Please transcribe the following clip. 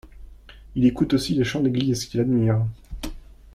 Il écoute aussi les chants d'église qu'il admire.